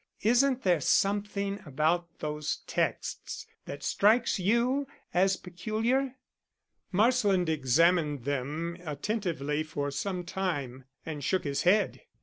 Isn't there something about those texts that strikes you as peculiar?" Marsland examined them attentively for some time, and shook his head.